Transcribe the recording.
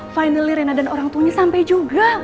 finally reina dan orangtuanya sampai juga